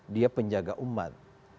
dia penjaga umat